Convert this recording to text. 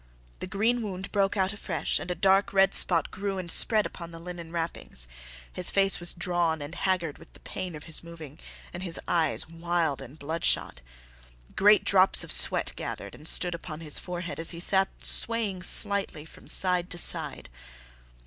The green wound broke out afresh and a dark red spot grew and spread upon the linen wrappings; his face was drawn and haggard with the pain of his moving, and his eyes wild and bloodshot. Great drops of sweat gathered and stood upon his forehead as he sat there swaying slightly from side to side.